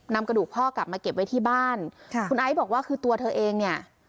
นำกระดูกพ่อกลับมาเก็บไว้ที่บ้านค่ะคุณไอซ์บอกว่าคือตัวเธอเองเนี่ย